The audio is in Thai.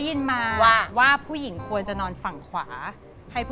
มุ่งมันไปปะมุ่งมันมาก